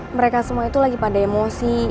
mereka semua itu lagi pada emosi